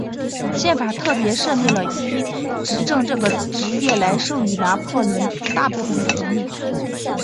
宪法特别设立了第一执政这个职位来授予拿破仑大部分的权力。